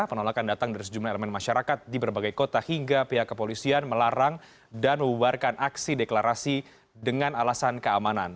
penolakan datang dari sejumlah elemen masyarakat di berbagai kota hingga pihak kepolisian melarang dan membubarkan aksi deklarasi dengan alasan keamanan